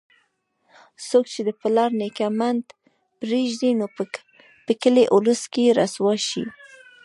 څوک چې د پلار نیکه منډ پرېږدي، نو په کلي اولس کې رسوا شي.